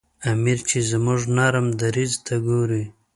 امیر چې زموږ نرم دریځ ته ګوري.